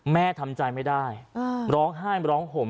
ทำใจไม่ได้ร้องไห้ร้องห่ม